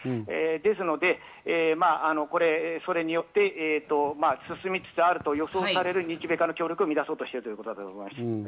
ですので、それによって、進みつつあると予想される日米韓の協力を乱そうとしているんです。